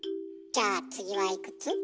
じゃあ次はいくつ？